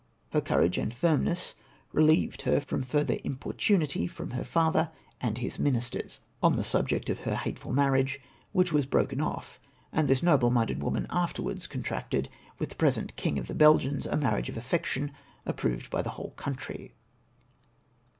Her couraQ;e and firmness reheved her from further importunity from lier father and his ministers MY POPULARITY INCREASED THEREBY. 395 on the subject of the hateful marriage, whiGh was broken ofl", and this noble minded woman afterwards contracted with the present King of the Belgians a marriage of affection, approved by the whole country.